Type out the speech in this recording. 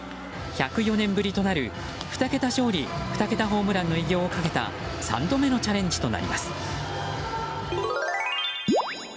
１０４年ぶりとなる２桁勝利２桁ホームランの偉業をかけた３度目のチャレンジとなります。